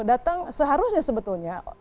datang seharusnya sebetulnya